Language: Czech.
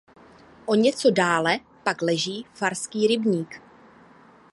O něco dále pak leží "Farský rybník".